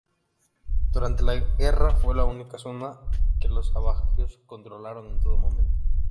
Durante la guerra, fue la única zona que los abjasios controlaron en todo momento.